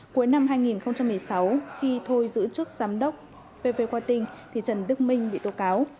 cuối năm hai nghìn một mươi sáu khi thôi giữ chức giám đốc pv qua tình trần đức minh bị tố cáo